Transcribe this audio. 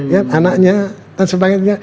ya anaknya dan sebagainya